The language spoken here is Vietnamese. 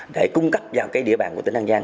để cung cấp vào địa bàn của tỉnh an giang